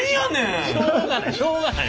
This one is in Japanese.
いやしょうがない！